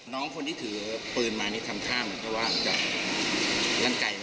น้องคนที่ถือปืนมาในทำข้ามก็ว่ามันจะรั้งไกล